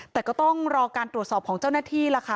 แต่ก็ต้องรอการตรวจสอบของเจ้าหน้าที่ล่ะค่ะ